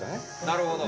なるほど。